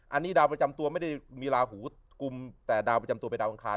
อันนี้ดาวประจำตัวไม่ได้มีลาหูกุมแต่ดาวประจำตัวเป็นดาวอังคาร